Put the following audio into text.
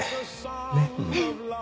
ねっ？